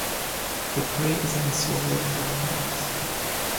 The prey is then swallowed head first.